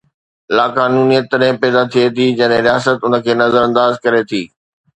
لاقانونيت تڏهن پيدا ٿئي ٿي جڏهن رياست ان کي نظرانداز ڪري ٿي.